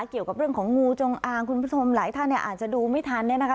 เกี่ยวกับเรื่องของงูจงอางคุณผู้ชมหลายท่านเนี่ยอาจจะดูไม่ทันเนี่ยนะคะ